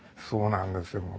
そうなんですよ。